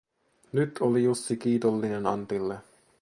Nyt oli Jussi kiitollinen Antille.